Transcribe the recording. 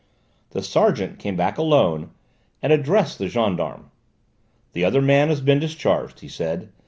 The sergeant came back, alone, and addressed the gendarme. "The other man has been discharged," he said.